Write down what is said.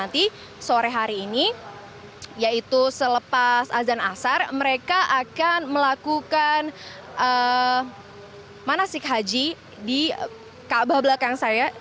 nanti sore hari ini yaitu selepas azan asar mereka akan melakukan manasik haji di kaabah belakang saya